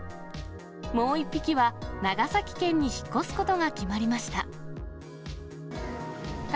もう１匹は長崎県に引っ越すことが決まりました。